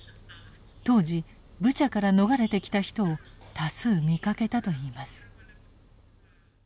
当時ブチャから逃れてきた人を多数見かけたと言います。